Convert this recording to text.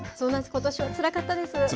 ことしはつらかったです。